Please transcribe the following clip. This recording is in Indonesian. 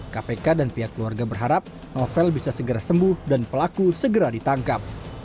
kpk dan pihak keluarga berharap novel bisa segera sembuh dan pelaku segera ditangkap